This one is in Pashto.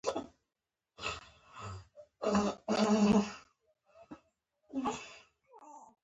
له احمده دې خدای موږ خلاص کړي.